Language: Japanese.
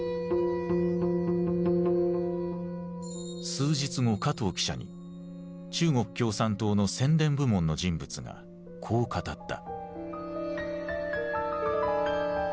数日後加藤記者に中国共産党の宣伝部門の人物がこう語った。